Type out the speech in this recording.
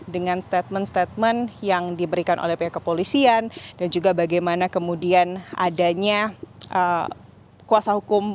dengan statement statement yang diberikan oleh pihak kepolisian dan juga bagaimana kemudian adanya kuasa hukum